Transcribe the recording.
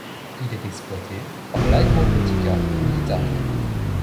Il est exploité par l'Aeronautica Militare.